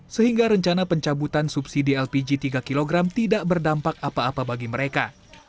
sehingga rencana pencabutan subsidi lpg tiga kg tidak berdampak apa apa bagi mereka